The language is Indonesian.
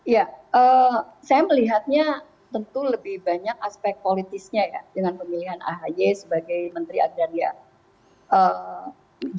ya saya melihatnya tentu lebih banyak aspek politisnya ya dengan pemilihan ahy sebagai menteri agraria